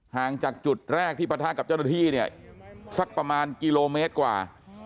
ห่างจากจุดแรกที่ปะทะกับเจ้าหน้าที่เนี่ยสักประมาณกิโลเมตรกว่า